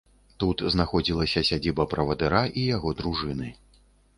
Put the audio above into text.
Тут знаходзілася сядзіба правадыра і яго дружыны.